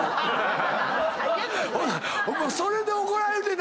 それで怒られて。